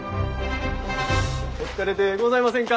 お疲れでございませんか？